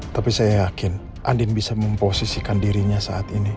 tapi saya yakin andin bisa memposisikan dirinya saat ini